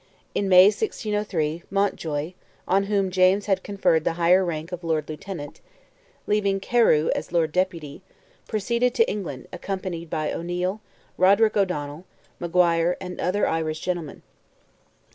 In May, 1603, Mountjoy, on whom James had conferred the higher rank of Lord Lieutenant, leaving Carew as Lord Deputy, proceeded to England, accompanied by O'Neil, Roderick O'Donnell, Maguire, and other Irish gentlemen.